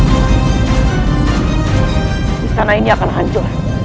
istana ini akan hancur